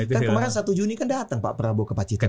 kan kemarin satu juni kan datang pak prabowo ke pacitan